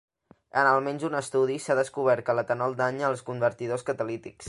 En almenys un estudi, s'ha descobert que l'etanol danya els convertidors catalítics.